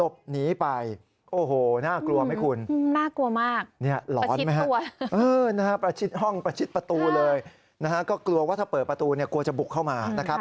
ก็กลัวว่าถ้าเปิดประตูกลัวจะบุกเข้ามานะครับ